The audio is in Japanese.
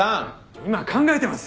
今考えてます！